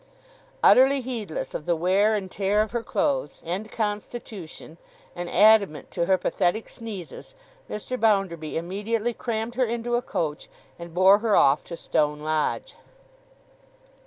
Utterly heedless of the wear and tear of her clothes and constitution, and adamant to her pathetic sneezes, Mr. Bounderby immediately crammed her into a coach, and bore her off to Stone Lodge.